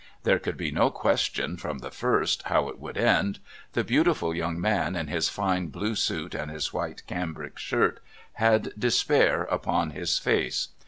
There could be no question, from the first, how it would end. The beautiful young man in his fine blue suit and his white cambric shirt had despair upon his face.